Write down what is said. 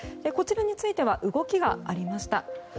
こちらについては動きがありました。